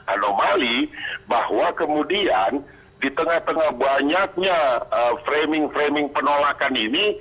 anomali bahwa kemudian di tengah tengah banyaknya framing framing penolakan ini